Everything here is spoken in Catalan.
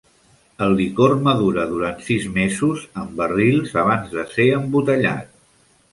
El licor madura durant sis mesos en barrils abans de ser embotellat.